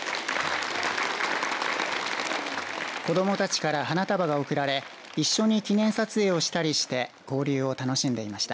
子どもたちから花束が贈られ一緒に記念撮影をしたりして交流を楽しんでいました。